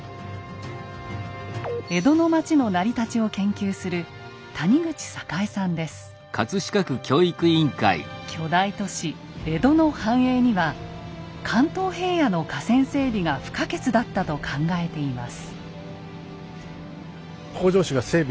江戸の町の成り立ちを研究する巨大都市江戸の繁栄には関東平野の河川整備が不可欠だったと考えています。